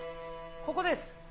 ここです。